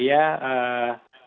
jadi menurut saya